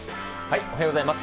おはようございます。